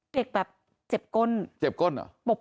เด็กแบบเจ็บก้นเจ็บก้นเหรอ